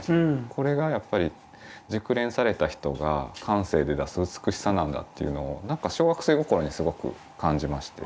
これがやっぱり熟練された人が感性で出す美しさなんだっていうのをなんか小学生心にすごく感じまして。